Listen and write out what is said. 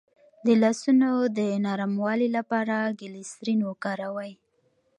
د لاسونو د نرموالي لپاره ګلسرین وکاروئ